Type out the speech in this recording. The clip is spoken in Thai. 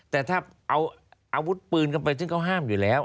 แต่ถ้าเอาอาวุธปืนกันไปซึ่งเขาห้ามอยู่แล้ว